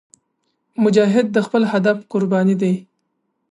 مجاهد د خپل هدف قرباني دی.